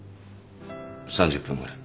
３０分ぐらい。